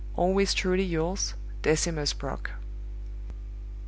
"Always truly yours, DECIMUS BROCK."